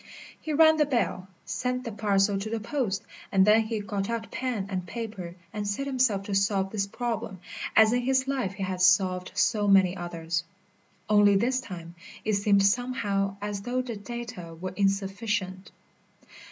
He rang the bell, sent the parcel to the post, and then he got out pen and paper and set himself to solve this problem, as in his life he had solved so many others. Only this time it seemed somehow as though the data were insufficient.